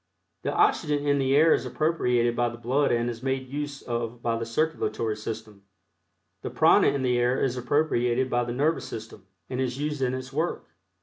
The oxygen in the air is appropriated by the blood and is made use of by the circulatory system. The prana in the air is appropriated by the nervous system, and is used in its work.